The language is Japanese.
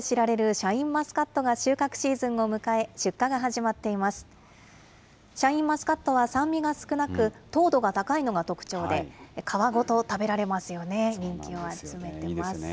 シャインマスカットは酸味が少なく、糖度が高いのが特徴で、皮ごと食べられますよね、人気を集めています。